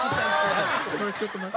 濱家：ちょっと待って。